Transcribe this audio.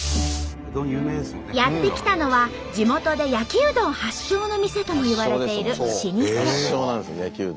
やって来たのは地元で焼うどん発祥の店ともいわれている老舗。